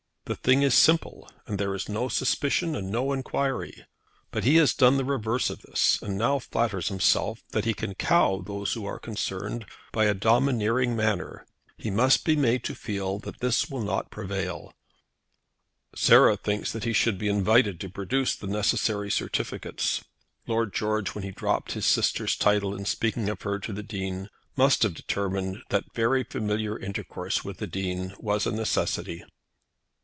The thing is simple, and there is no suspicion and no enquiry. But he has done the reverse of this, and now flatters himself that he can cow those who are concerned by a domineering manner. He must be made to feel that this will not prevail." "Sarah thinks that he should be invited to produce the necessary certificates." Lord George, when he dropped his sister's title in speaking of her to the Dean, must have determined that very familiar intercourse with the Dean was a necessity.